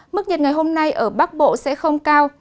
mức nhiệt ngày hôm nay ở bắc bộ sẽ không cao